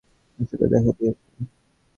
আসলে, দেখেছি।